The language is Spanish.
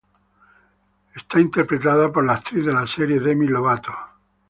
Es interpretada por la actriz de la serie Demi Lovato.